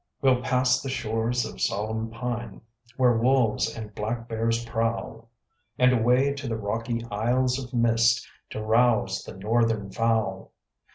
We'll pass the shores of solemn pine, Where wolves and black bears prowl; And away to the rocky isles of mist, To rouse the northern fowl.